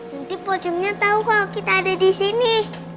nanti pocongnya tahu kalau kita ada di sini